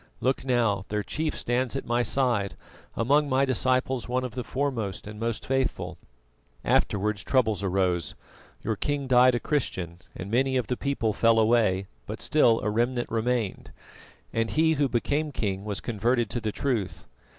Look now, their chief stands at my side, among my disciples one of the foremost and most faithful. Afterwards troubles arose: your king died a Christian, and many of the people fell away; but still a remnant remained, and he who became king was converted to the truth.